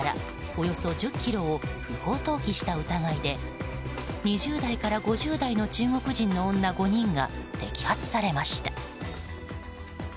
およそ１０ｋｇを不法投棄した疑いで２０代から５０代の中国人の女５人が摘発されました。